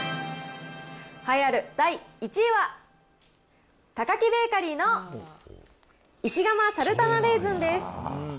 栄えある第１位は、タカキベーカリーの石窯サルタナレーズンです。